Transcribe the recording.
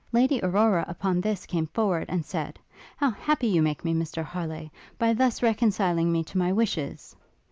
Lady Aurora, upon this, came forward, and said, "How happy you make me, Mr Harleigh, by thus reconciling me to my wishes!"